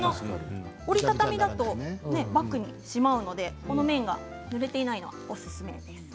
折り畳みだとバッグにしまうので表の面がぬれていないのがおすすめです。